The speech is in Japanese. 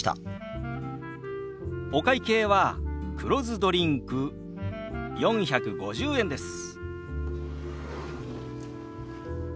お会計は黒酢ドリンク４５０円です。